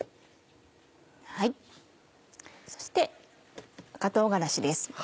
そして赤唐辛子です。